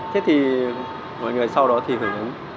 thế thì mọi người sau đó thì hưởng ứng